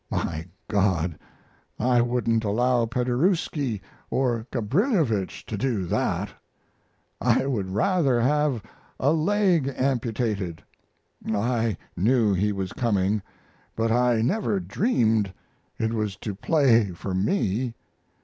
My God! I wouldn't allow Paderewski or Gabrilowitsch to do that. I would rather have a leg amputated. I knew he was coming, but I never dreamed it was to play for me.